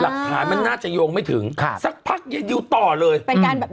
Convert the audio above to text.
หลักฐานมันน่าจะโยงไม่ถึงค่ะสักพักยายดิวต่อเลยเป็นการแบบ